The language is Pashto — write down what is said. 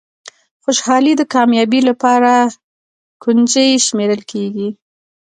خوشالي د کامیابۍ لپاره کونجي شمېرل کېږي.